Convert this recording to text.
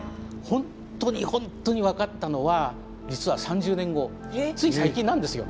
本当に本当に分かったのは実は３０年後つい最近なんですよ。へえ！